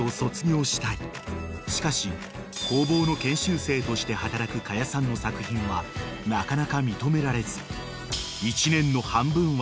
［しかし工房の研修生として働く可夜さんの作品はなかなか認められず］